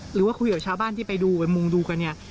หรือว่าคุยกับชาวบ้านที่ไปดูไปมุงดูกันเนี่ย